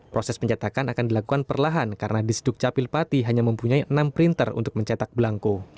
proses pencetakan akan dilakukan perlahan karena di sdukcapil pati hanya mempunyai enam printer untuk mencetak belangko